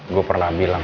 gue pernah bilang